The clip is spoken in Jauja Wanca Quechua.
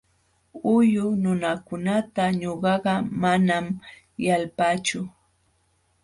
Huyu nunakunata ñuqaqa manam yalpaachu.